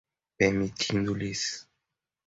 permitindo-lhe